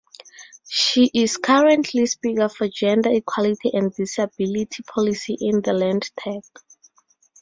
She is currently speaker for gender equality and disability policy in the Landtag.